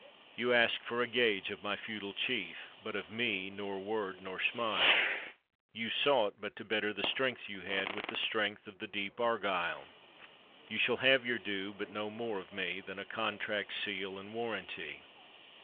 " You asked for a gage of my feudal chief, But of me nor word nor smile; You sought but to better the strength you had With the strength of the deep Argyle; You shall have your due but no more of me, Than a contract's seal and warranty."